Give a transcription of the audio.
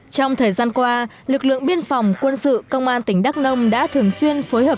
trong thời gian qua lực lượng biên phòng quân sự công an tỉnh đắk nông đã thường xuyên phối hợp